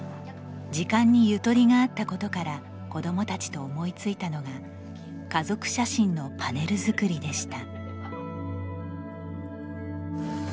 時間にゆとりがあったことから子どもたちと思いついたのが家族写真のパネル作りでした。